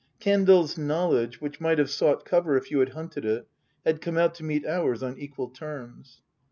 Kendal's knowledge which might have sought cover if you had hunted it had come out to meet ours on equal terms.